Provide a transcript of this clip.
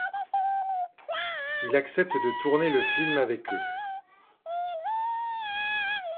Il accepte de tourner le film avec eux.